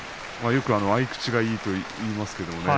よく合い口がいいと言いますけどね。